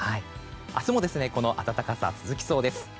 明日も、この暖かさが続きそうです。